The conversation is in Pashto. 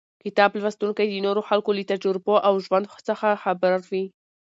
کتاب لوستونکی د نورو خلکو له تجربو او ژوند څخه خبروي.